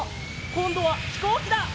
こんどはひこうきだ！